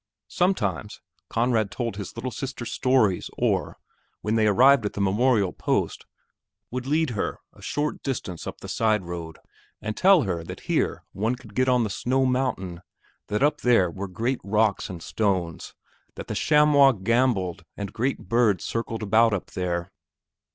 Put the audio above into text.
Sometimes, Conrad told his little sister stories or, when arrived at the red memorial post, would lead her a short distance up the side road and tell her that here one could get on the Snow Mountain, that up there were great rocks and stones, that the chamois gamboled and great birds circled about up there.